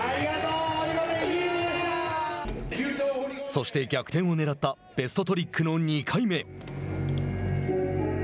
そして、逆転をねらったベストトリックの２回目。